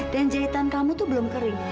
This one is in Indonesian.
dan jahitan kamu itu belum kering